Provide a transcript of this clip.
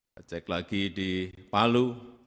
saya cek lagi di palu